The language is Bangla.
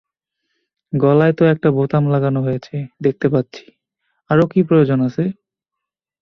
গলায় তো একটা বোতাম লাগানো রয়েছে দেখতে পাচ্ছি– আরো কি প্রয়োজন আছে?